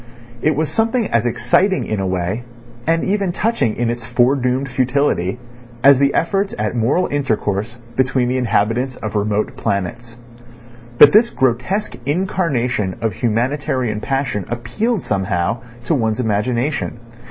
It was something as exciting in a way, and even touching in its foredoomed futility, as the efforts at moral intercourse between the inhabitants of remote planets. But this grotesque incarnation of humanitarian passion appealed somehow, to one's imagination.